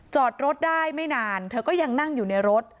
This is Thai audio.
จอดรถได้ไม่นานเธอก็ยังนั่งอยู่ในรถ